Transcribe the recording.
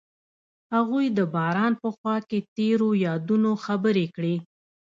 هغوی د باران په خوا کې تیرو یادونو خبرې کړې.